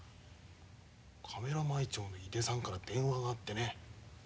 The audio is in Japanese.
「カメラ毎朝」の井出さんから電話があってね。